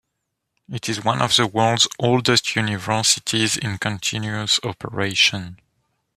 It is one of the world's oldest universities in continuous operation.